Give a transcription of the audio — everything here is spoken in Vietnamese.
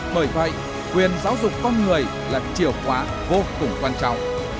bởi vậy quyền giáo dục con người là chìa khóa vô cùng quan trọng